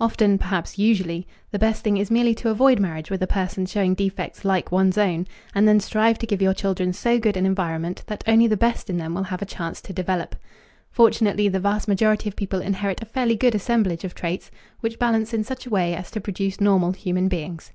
Often, perhaps usually, the best thing is merely to avoid marriage with a person showing defects like one's own, and then strive to give your children so good an environment that only the best in them will have a chance to develop. Fortunately the vast majority of people inherit a fairly good assemblage of traits which balance in such a way as to produce normal human beings.